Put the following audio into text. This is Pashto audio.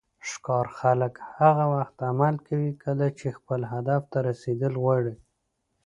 ښکار خلک هغه وخت عمل کوي کله چې خپل هدف ته رسیدل غواړي.